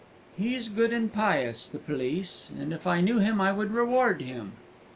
"He is good and pious the police, and if I knew him I would reward him."